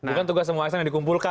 bukan tugas semua asn yang dikumpulkan